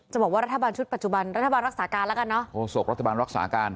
จะบอกว่ารัฐบาลรักษาการกันหรือไหม